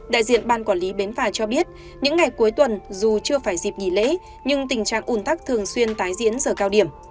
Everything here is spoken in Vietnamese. đại diện ban quản lý bến phà cho biết những ngày cuối tuần dù chưa phải dịp nghỉ lễ nhưng tình trạng ủn tắc thường xuyên tái diễn giờ cao điểm